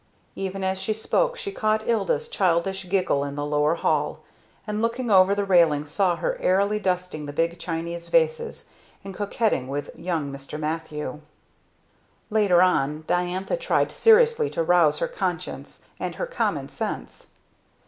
Even as she spoke she caught Ilda's childish giggle in the lower hall, and looking over the railing saw her airily dusting the big Chinese vases and coquetting with young Mr. Mathew. Later on, Diantha tried seriously to rouse her conscience and her common sense.